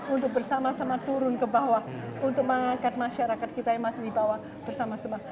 untuk bersama sama turun ke bawah untuk mengangkat masyarakat kita yang masih dibawa bersama sama